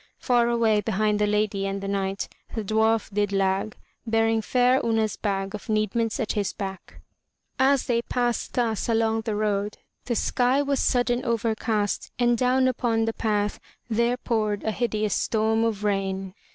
Far away behind the Lady and the Knight the dwarf did lag, bearing fair Una's bag of needments at his back. As they passed thus along the road the sky was sudden over cast and down upon the path there poured a hideous storm of rain.